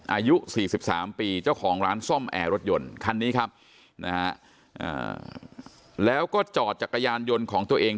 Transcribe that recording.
อายุ๔๓ปีเจ้าของร้านซ่อมแอร์รถยนต์คันนี้ครับนะฮะแล้วก็จอดจักรยานยนต์ของตัวเอง